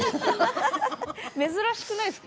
珍しくないですか？